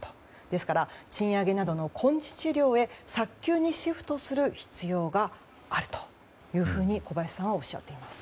ですから賃上げなどの根治治療へ早急にシフトする必要があるというふうに小林さんはおっしゃっています。